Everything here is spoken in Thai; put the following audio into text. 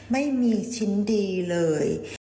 ไม่มีชิ้นดีเลย